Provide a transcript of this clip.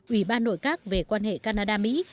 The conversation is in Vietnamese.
ủy ban nội các về quan hệ canada mỹ